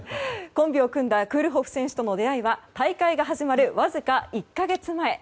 コンビを組んだクールホフ選手との出会いは大会が始まるわずか１か月前。